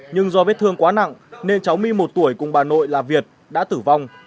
nhưng do vết thương quá nặng nên cháu my một tuổi cùng bà nội là việt đã tử vong